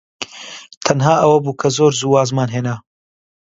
تەنها ئەوە بوو کە زۆر زوو وازمان هێنا.